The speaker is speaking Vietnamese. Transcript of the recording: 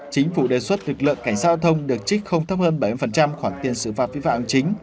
chính phủ đề xuất lực lượng cảnh sát giao thông được trích không thấp hơn bảy mươi khoản tiền sửa và vi phạm hành chính